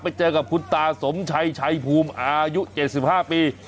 ไปเจอกับคุณตาสมชัยชัยภูมิอายุ๗๕ปี